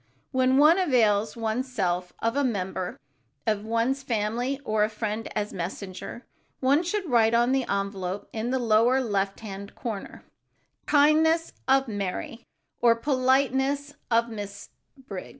When one avails one's self of a member of one's family or a friend as messenger, one should write on the envelope in the lower left hand corner, "Kindness of Mary" or "Politeness of Miss Briggs."